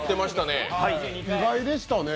意外でしたね。